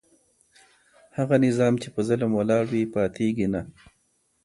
هغه نظام چي په ظلم ولاړ وي پاتیږي نه.